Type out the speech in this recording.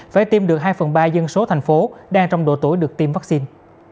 phải tiêm được hai phần ba dân số thành phố đang trong độ tuổi được tiêm vaccine